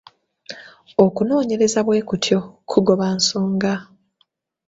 Okunoonyereza bwe kutyo kugoba nsonga.